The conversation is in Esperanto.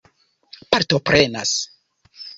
partoprenas